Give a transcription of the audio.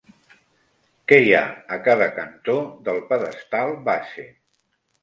Què hi ha a cada cantó del pedestal base?